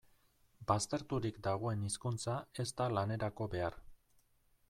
Bazterturik dagoen hizkuntza ez da lanerako behar.